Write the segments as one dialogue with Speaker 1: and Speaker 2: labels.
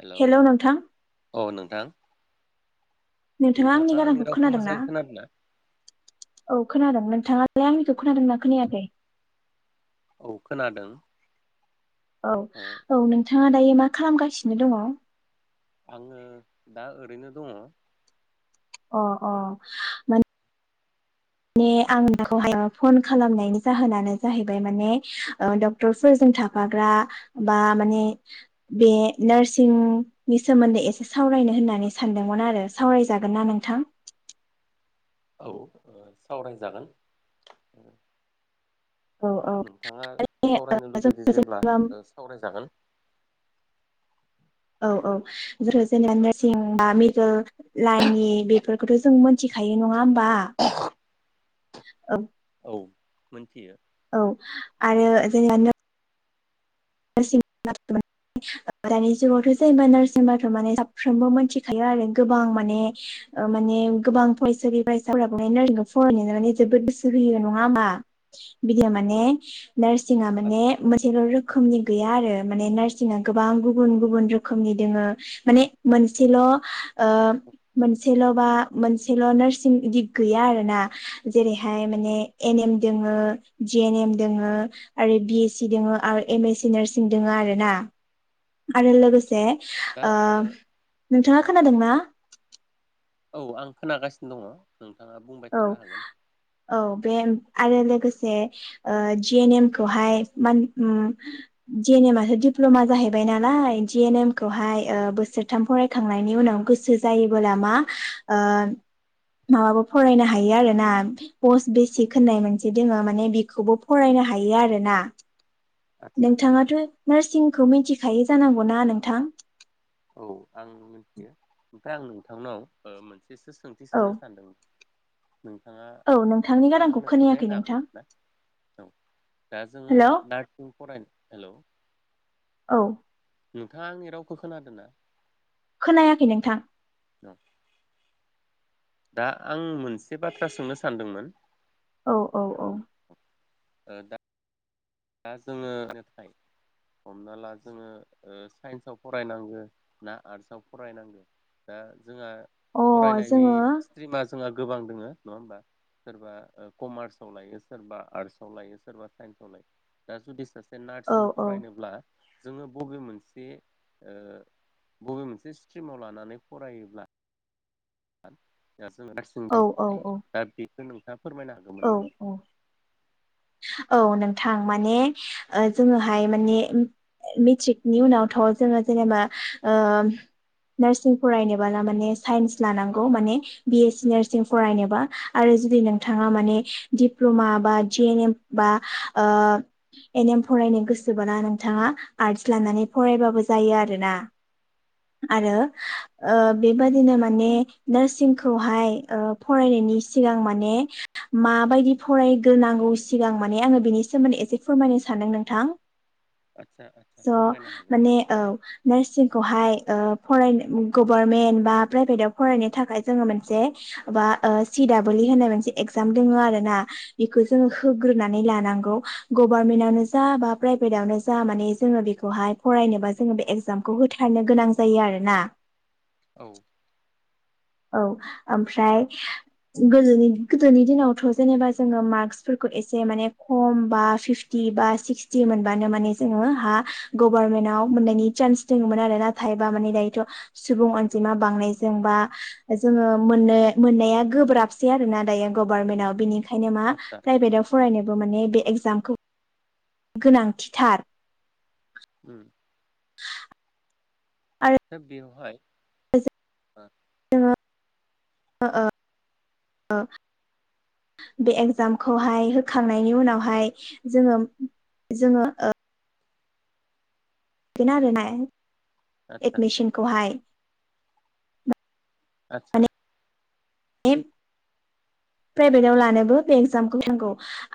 Speaker 1: Hello औ नोंथां।
Speaker 2: नोंथाङा आंनि गारांखौ
Speaker 1: रावखौ
Speaker 2: खोनादोंना?
Speaker 1: मोजाङै खोनादों ना?
Speaker 2: औ खोनादों नों नोंथाङालाय आंनिखौ खोनादोंना खोनायाखै?
Speaker 1: औ खोनादों।
Speaker 2: औ
Speaker 1: ओ
Speaker 2: औ नोंथाङा दायो मा खालामगासिनो दङ?
Speaker 1: आङो दा ओरैनो दङ।
Speaker 2: अ अ माने माने आं [unintelligible] फन खालामनायनि जाहोनानो जाहैबाय माने ओ डक्टरफोरजों थाफाग्रा बा माने बे नार्सिंनि सोमोन्दै एसे सावरायनो होननानै सानदोंमोन आरो सावरायजागोनना नोंथां?
Speaker 1: औ ओ सावरायजागोन।
Speaker 2: औ औ
Speaker 1: नोंथाङा सावरायनो लुबैदों जेब्ला
Speaker 2: जेनेबा
Speaker 1: ओ सावरायजागोन।
Speaker 2: औ औ जोङो जेनेबा [unintelligible] लाइननि बेफोरखौथ' जों मिथिखायो नङा हो बा औ।
Speaker 1: औ मोनथियो।
Speaker 2: औ आरो [unintelligible] [unintelligible] दानि जुगावथ' जेनेबा नार्स होनबाथ' माने साफ्रोमबो मिथिखायो आरो गोबां माने माने गोबां फरायसालि फरायसाफोराबो माने नारसिंखौ फरायनाय माने जोबोद गोसो होयो नङा होमबा? बिदिया माने नार्सिंआ माने
Speaker 1: आदसा
Speaker 2: मोनसेल' रो खोमनि गैया आरो। माने नार्सिंआ गोबां गुबुन गुबुन रोखोमनि दोङो मान मोनसेल ओ मोनसेल बा मोनसेल नारसिं इदि गैया आरोना दोङो आरोना आरो
Speaker 1: औ
Speaker 2: लोगोसे
Speaker 1: दा
Speaker 2: ओ नोंथाङा खोनादों ना?
Speaker 1: औ आं खोनागासिनो दङ। नोंथाङा बुंबाय थानो
Speaker 2: औ
Speaker 1: हागोन
Speaker 2: औ बे आरो लोगोसे ओ जि एन एम खौहाय मान उम जि एन एमआसो दिप्लमा जाहैबाय नालाय जि एन एम खौहाय ओ बोसोरथाम फरायखांनायनि उनाव गोसो जायोबोला मा ओ फरायनो हायो आरो ना पस्ट बेसिक होननाय मोनसे दोङो माने बेखौबो फरायनो हायो आरो ना।
Speaker 1: आदसा
Speaker 2: नोंथाङाथ' नार्सिंखौ मिथिखायो जानांगौना नोंथां?
Speaker 1: औ आं मिथियो ओमफ्राय आं नोंथांनाव मोनसे एसे सोंथि
Speaker 2: औ
Speaker 1: सोंनो सानदोंमोन। नोंथाङा
Speaker 2: औ नोंथांनि
Speaker 1: दा
Speaker 2: गारांखौ
Speaker 1: आंनो फिननाय
Speaker 2: खोनायाखै
Speaker 1: होनो
Speaker 2: नोंथां
Speaker 1: हागौमोन ना? औ दा जोङो
Speaker 2: हेलौ
Speaker 1: नार्सिं फरायनो हेलौ
Speaker 2: औ
Speaker 1: नोंथाङा आंनि रावखौ खोनादों ना?
Speaker 2: नायाखै नोंथां।
Speaker 1: [unintelligible] दा आं मोनसे बाथ्रा सोंनो सानदोंमोन
Speaker 2: औ औ औ
Speaker 1: आ दा दा जोङो नाथाय हमना ला जोङो ओ साइन्सआव फरायनांगो ना आर्टसआव फरायनांगोन दा? जोंहा
Speaker 2: अ
Speaker 1: फरायनायनि
Speaker 2: जोङो औ
Speaker 1: स्ट्रिमा जोंहा गोबां दोङो नङा होमबा सोरबा कमार्सआव लायो सोरबा आर्टसआव लायो सोरबा साइन्सआव लायो। [unintelligible] नार्सिं
Speaker 2: औ
Speaker 1: फरायनोब्ला जोङो बबे मोनसे ओ बबे मोनसे स्ट्रिमाव लानानै फरायोब्ला [unintelligible] [unintelligible]
Speaker 2: औ औ
Speaker 1: [unintelligible] फोरमायनो
Speaker 2: औ औ
Speaker 1: हागौमोन नामा?
Speaker 2: औ नोंथां माने जोङोहाय नोंथाङा माने डप्ल'मा बा जि एन एम बा ओ एन एम फरायनो गोसोब्ला नोंथाङा आर्टस लानानै फरायबाबो जायो आरोना आरो ओ
Speaker 1: आदसा
Speaker 2: बेबायादिनो मा माने नार्सिंखौहाय ओ फरायनायनि सिगां माने माबायदि फरायग्रोनांगौ सिगां माने आङो बिनि सोमोन्दै एसे फोरमायनो सानदों नोंथां।
Speaker 1: आदसा आदसा फोरमायनो
Speaker 2: स'
Speaker 1: हागोन
Speaker 2: माने औ नारसिं खौहाय ओ फराय गभारमेन्ट बा प्राइभेटाव फरायनो थाखाय जोङो मोनसे बा ओ सि दाबोल इ होननाय मोनसे एगजाम दोङो आरोना बेखौ जोङो होग्रोनानै लानांगौ गभारमेन्टआवनो जा बा प्राइभेटावनो जा माने जोङो बेखौहाय फरायनोबा जोङो बे एगजामखौ होथारनो गोनां जायो आरोना।
Speaker 1: औ।
Speaker 2: औ आमफ्राय गोदोनि गोदोनि दिनावथ जेनेबा जोङो मार्कसफोरखौ एसे माने खम बा फिफटि बा सिक्सटि मोनबानो माने जोङो हा गभारनमेन्टाव मोननायनि सान्स दङोमोन आरो। नाथाय बा माने दायोथ' सुबुं अनजिमा बांनायजों बा जोङो मोननो मोननाया गोब्राबसै आरो ना दायो गभारनमेन्टाव बिनि खायनो मा
Speaker 1: आदसा
Speaker 2: प्राइभेटआव फरायनोबो माने बे एख जामखौ गोनांथिथार।
Speaker 1: उम।
Speaker 2: आरो
Speaker 1: दा बेवहाय ओ।
Speaker 2: जोङो ओ ओ बे एगजामखौहाय होखांनायनि उनावहाय जोङो जोङो ओ बेनो आरोनाय
Speaker 1: आदसा
Speaker 2: एडमिसनखौहाय
Speaker 1: आतसा।
Speaker 2: [unintelligible] प्राइभेटाव लानोबो बे एगजामखौ नांगौ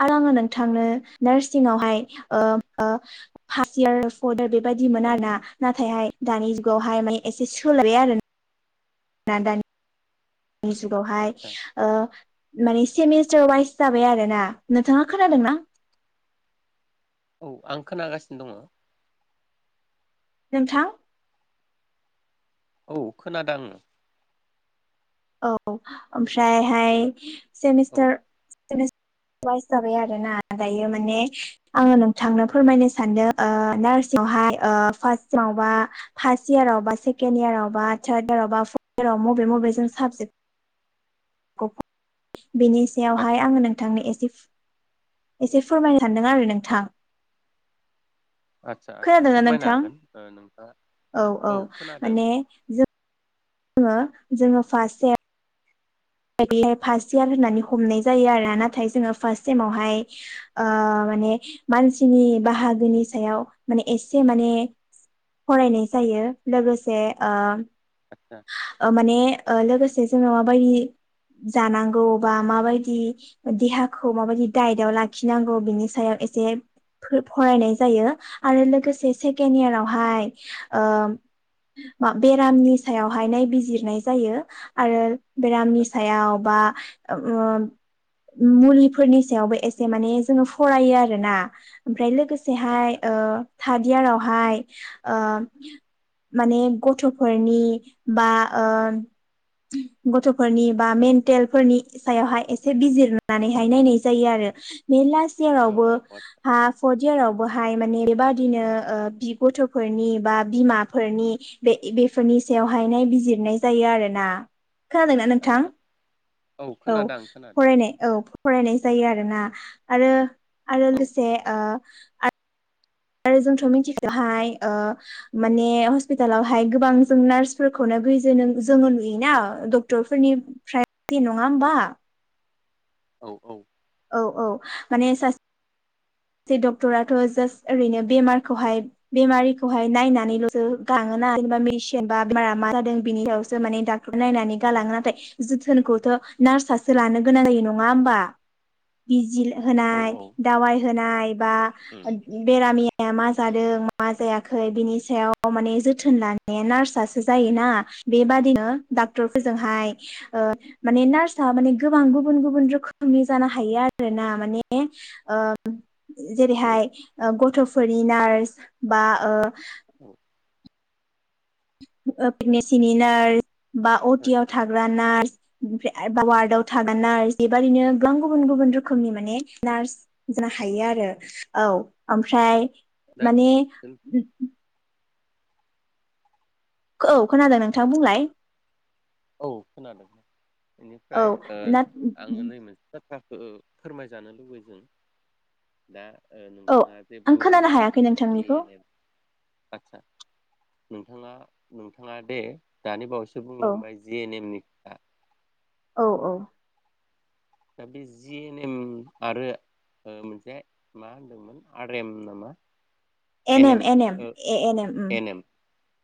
Speaker 2: आरो आङो नोंथांनो नार्सिङावहाय ओम ओ फार्स्ट इयार, फर्थ इयार बेबायदि मोन आर ना। नाथायहाय दानि जुगावहाय मान एसे सोलायबाय आरो ना। ना दानि नि जुगावहाय
Speaker 1: आदसा
Speaker 2: ओ मानि सेमिस्टार वाइस जाबाय आरो ना नोंथाङा खोनादों ना?
Speaker 1: औ आं खोनागासिनो दङ।
Speaker 2: नोंथां?
Speaker 1: औ खोनादो आं।
Speaker 2: औ ओमफ्रायहाय
Speaker 1: औ
Speaker 2: सेमिस्टार सेमेस्टार वाइस जाबाय आरो ना। दायो माने आङो नोंथांनो फोरमायनो सानदों ओ नार्सिङावहाय ओ फार्स्टबा फार्स्ट इयारावबा सेकेण्ड इयारावबा थार्ड इयारावबा फर्ट इयाराव मबे मबे जों [unintelligible] [unintelligible] बिनि सायावहाय
Speaker 1: आदसा
Speaker 2: आङो नोंथांनो एसे एसे फोरमायनो सानदों आरो नोंथां।
Speaker 1: आतसा आतसा
Speaker 2: खोनादोंना
Speaker 1: फोरमायनो
Speaker 2: नोंथां
Speaker 1: हागोन ओ नोंथाङा, औ खोनादों।
Speaker 2: जोङो जोङो फार्स्ट इयार बे बादि फार्स्ट इयार होननानै हमनाय जायो आरो। नाथाय जोङो फार्स्ट सेमावहाय ओ माने मानसिनि बाहागोनि सायाव माने एसे माने फरायनाय जायो लोगोसे ओ
Speaker 1: आतसा।
Speaker 2: ओ माने ओ लोगोसे जों माबायदि जानांगौ बा माबायदि देहाखौ माबायदि दाइटआव लाखिनांगौ बिनि सायाव एसे फो-फरायनाय जायो आरो लोगोसे सेकेण्ड इयारावहाय ओ बेरामनि सायावहाय नायबिजिरनाय जायो आरो बेरामनि सायाव बा ओ मुलिफोरनि सायावबो एसे माने जोंङो फरायो आरोना ओमफ्राय लोगोसेहाय ओ थार्द इयारावहाय ओ माने गथ'फोरनि बा ओ गथ'फोरनि बा मेन्टेल फोरनि सायावहाय एसे बिजिरनानैहाय नायनाय जायो आरो नै दास
Speaker 1: औ
Speaker 2: इयारावबो
Speaker 1: औ आदसा
Speaker 2: हा पर्ट इयारावबो बहाय माने बेबादिनो औ गथ'फोरनि बा बिमाफोरनि बे बिफोरनि स बेवहाय नाय बिजिरनाय जायो आरोना। खोनादोंना नोंथां
Speaker 1: आदसा
Speaker 2: औ
Speaker 1: खोनादों आं खोनादों
Speaker 2: फरायनाय औ फरायनाय जायो आरोना आरो आरो
Speaker 1: औ
Speaker 2: लोगोसे ओ आट आरो जोंथ' मिथिखाहाय माने हस्पिटालावहाय गोबां जों नार्सफोरखौनो गैज जोङो नुयोना डक्टरफोरनिफ्राये नङा होनबा
Speaker 1: औ औ
Speaker 2: औ औ माने सासे सासे डक्टराथ' जास्ट ओरैनो बेमाखौहाय बेमारिखौहाय नायनानैल'सो गाङोना जेनेबा मेडिसिन बा बेमारा मा जादों बेनि सायावसो माने डक्टरा नायनानै गालाङो नाथाय जोथोनखौथ' नार्सासो लानो गोनां जायो नङा होमबा बिजि
Speaker 1: औ
Speaker 2: होनाय
Speaker 1: औ
Speaker 2: दावाय होनाय बा
Speaker 1: उम
Speaker 2: बेरामनि मा जादों मा जायाखै बिनि सायाव माने जोथोन लानाया नार्सासो जायोना बेबादिनो
Speaker 1: उम
Speaker 2: डाक्टरफोरजोंहाय ओ माने नार्सआ माने गोबां गुबुन गुबुन रोखोमनि जानो हायो आरो ना माने ओ
Speaker 1: औ
Speaker 2: जेरैहाय गथ'फोरनि नार्स बा ओ
Speaker 1: औ
Speaker 2: ओ पेमेसिनि नार्स बा अटि आव
Speaker 1: आदसा
Speaker 2: थाग्रा नार्स बिनिफ्राइ आरबाव वार्डाव थाग्रान नार्स बेबादिनो गोबां गुबुन गुबुन रोखोमनि माने नार्स जानो हायो आरो औ ओमफ्राय
Speaker 1: दा
Speaker 2: माने औ खोनादों नोंथां बुंलाय
Speaker 1: औ खोनादों बेनिफ्राय
Speaker 2: औ
Speaker 1: ओ
Speaker 2: ना
Speaker 1: आंङो नै मोनसे बाथ्रा ओ फोरमायजानो लुबैदों दा ओ
Speaker 2: औ
Speaker 1: नोंथाङा जे
Speaker 2: आं खोनानो
Speaker 1: बुंलांबाय
Speaker 2: हायाखै
Speaker 1: जि
Speaker 2: नोंथांनिखौ
Speaker 1: एन एफ आदसा नोंथाङा नोंथाङा दे दानि बावैसो
Speaker 2: औ
Speaker 1: बुंलांबाय जे जि एन एम नि खोथा
Speaker 2: औ औ
Speaker 1: दा बि जि एन एम आरो मोनसे मा होनदोंमोन आर एम नामा? N M O N M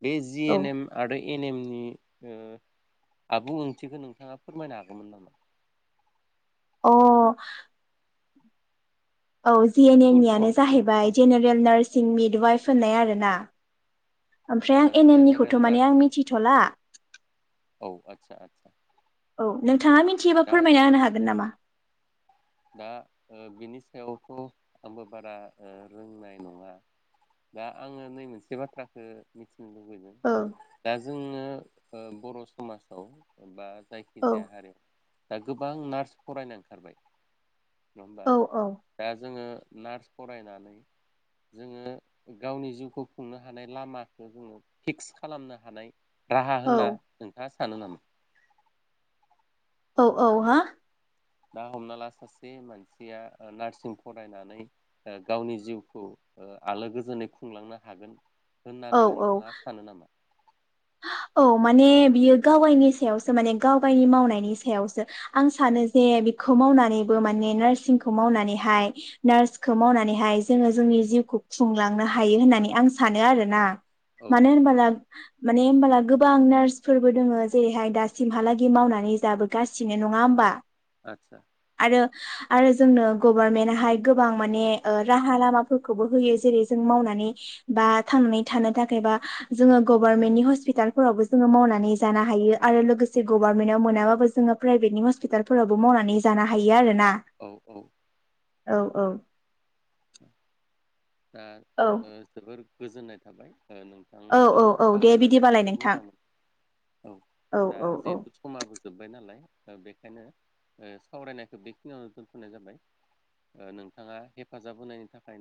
Speaker 1: B G N M आरो एन एम नि ओ आबुं ओंथिखौ नोंथाङा फोरमायनो हागौमोन नामा?
Speaker 2: अ औ जि एन एम
Speaker 1: फुल
Speaker 2: नियानो
Speaker 1: फर्म फुल
Speaker 2: जाहैबाय
Speaker 1: फर्मखौ
Speaker 2: जेनेरेल नार्स जिं मिड वाइफ होननाय आरोना ओमफ्राय
Speaker 1: ओ
Speaker 2: आं
Speaker 1: जेनेरेल
Speaker 2: एनिमिखौथ माने आं
Speaker 1: नार्सिं
Speaker 2: मिथिथला
Speaker 1: औ आदसा आदसा
Speaker 2: औ नोंथाङा मिथियोबा
Speaker 1: दा
Speaker 2: फोरमायना होनो हागोन नामा?
Speaker 1: दा ओ बिनि सायावथ आंबो बारा ओ रोंनाय नङा दा आङो नै मोनसे बाथ्राखो मि थिनो लुबैदों
Speaker 2: औ
Speaker 1: दा जोङो ओ बर' समाजाव बा जायखि
Speaker 2: औ
Speaker 1: जाया हारि [unintelligible] गोबां नार्स फरायनाय ओंखारबाय। नङा होमबा
Speaker 2: औ औ
Speaker 1: दा जोङो नार्स फरायनानै जोङो गावनि जिउखौ खुंनो हानाय लामाखो जोङो फिक्स खालामनो हानाय राहा होनना
Speaker 2: औ
Speaker 1: नोंथाङा सानो नामा?
Speaker 2: औ औ हा
Speaker 1: दा हमना ला सासे मानसिया ओ नार्सिं फरायनानै ओ गावनि जिउखौ ओ आलो गोजोनै खुंलांनो हागोन
Speaker 2: औ
Speaker 1: होननानै
Speaker 2: औ
Speaker 1: नोंथाङा सानो नामा?
Speaker 2: औ माने बियो गावाइनि सायावसो माने गावाइनि मावनायनि सायावसो आं सानो जे बिखौ मावनानैबो माने नार्सिंखौ मावनानैहाय नार्सखौ मावनानैहाय जोङो जोंनि जिउखौ खुंलांनो हायो होननानै आं सानो आरोना।
Speaker 1: औ
Speaker 2: मानो
Speaker 1: औ
Speaker 2: होनबाला माने होमबाला गोबां नार्सफोरबो दोङो जेरैहाय दासिमहालागि मावनानै जाबोगासिनो नङा होमबा।
Speaker 1: आदसा
Speaker 2: आरो आरो जोंनो गभारनमेन्टहाय गोबां माने ओ राहा लामाफोरखौबो होयो जेरै जों मावनानै बा थांनानै थानो थाखै बा जोङो ग भार्नमेन्टनि हस्पिटालफोरावबो जोङो मावनानै जानो हायो आरो लोगोसे गभार्नमेन्टाव मोनाबाबो जोङो प्राइभेटनि हस्पिटालफोरावबो मावनानै जानो हायो आरो ना।
Speaker 1: औ औ।
Speaker 2: औ औ।
Speaker 1: दा
Speaker 2: औ
Speaker 1: ओ जोबोर गोजोननाय थाबाय। ओ
Speaker 2: औ
Speaker 1: नोंथांजों
Speaker 2: औ औ दे
Speaker 1: सावरायनानै
Speaker 2: बिदिबालाय
Speaker 1: जोबोर
Speaker 2: नोंथां
Speaker 1: मोजांमोन औ दा
Speaker 2: औ औ
Speaker 1: जिहेथु समाबो जोब्बाय नालाय ओ बेखायनो ओ सावरायनायखौ बेखिनियावनो दोनथनाय जाबाय। ओ नोंथाङा हेफाजाब होनायनि थाखाय।